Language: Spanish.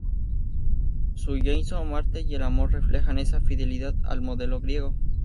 Su Jasón o Marte y el Amor reflejan esa fidelidad al modelo griego.